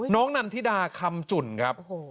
นันทิดาคำจุ่นครับ